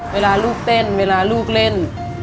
เวลาลูกเต้นเวลาลูกเล่น